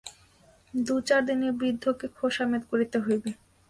দু-চার দিন এ বৃদ্ধকে খোশামোদ করিতে হইবে।